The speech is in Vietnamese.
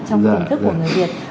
trong tình thức của người việt